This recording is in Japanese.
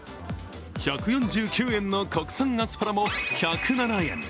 １４９円の国産アスパラも１０７円。